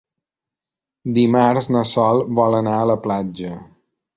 Dimarts na Sol vol anar a la platja.